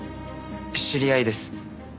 知り合いです。